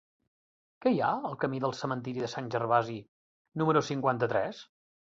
Què hi ha al camí del Cementiri de Sant Gervasi número cinquanta-tres?